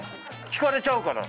聞かれちゃうから。